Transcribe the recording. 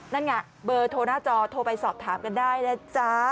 นั่นไงเบอร์โทรหน้าจอโทรไปสอบถามกันได้นะจ๊ะ